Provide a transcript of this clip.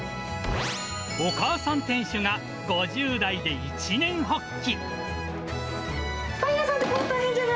お母さん店主が５０代で一念発起。